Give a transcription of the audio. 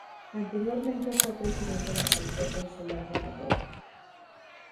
Anteriormente fue presidenta del Consejo Insular de Mallorca.